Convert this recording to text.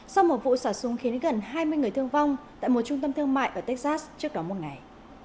sau một vụ xả súng khiến gần hai mươi người thương vong tại một trung tâm thương mại ở texas trước đó một ngày